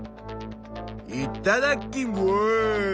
いっただっきます！